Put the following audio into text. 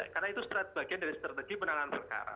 karena itu bagian dari strategi penanganan perkara